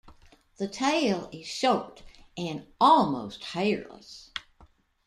The tail is short and almost hairless.